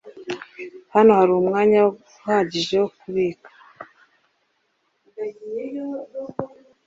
Hano hari umwanya uhagije wo kubika. (goodguydave)